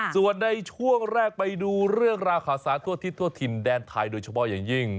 ส่วนในช่วงแรกไปดูเรื่องราคาสารทั่วทิศทั่วถิ่นแดนไทยโดยเฉพาะอย่างยิ่ง